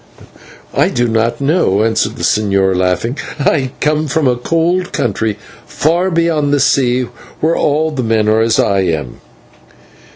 "I do not know," answered the señor, laughing. "I come from a cold country far beyond the sea, where all the men are as I am."